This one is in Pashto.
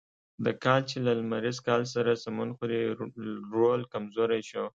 د کال چې له لمریز کال سره سمون خوري رول کمزوری شو.